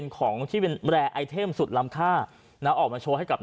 ของที่เป็นอายุสุดลำค่าออกมาโชว์ให้กับ